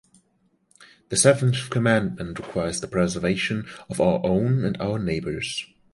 The seventh commandment requires the preservation of our own and our neighbor’s